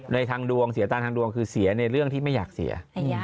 ในทางดวงเสียตังค์ทางดวงคือเสียในเรื่องที่ไม่อยากเสีย